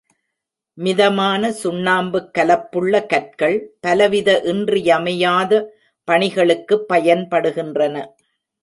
மிதமான சுண்ணாம்புக் கலப்புள்ள கற்கள், பலவித இன்றியமையாத பணிகளுக்குப் பயன்படுகின்றன.